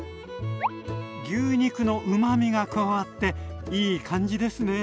牛肉のうまみが加わっていい感じですね。